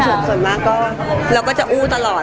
ส่วนมากก็เราก็จะอู้ตลอด